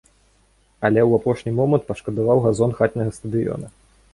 Але ў апошні момант пашкадаваў газон хатняга стадыёна.